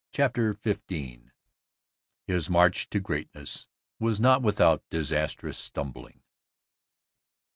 CHAPTER XV I His march to greatness was not without disastrous stumbling.